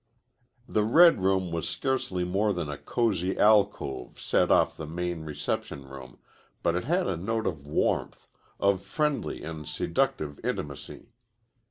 The red room was scarcely more than a cozy alcove set off the main reception room, but it had a note of warmth, of friendly and seductive intimacy.